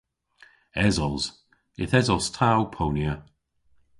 Esos. Yth esos ta ow ponya.